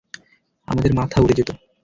আমাদের মাথা উড়ে যেতো!